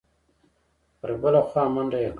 پر بله خوا منډه یې کړه.